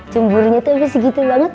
cumbulnya tuh abis gitu banget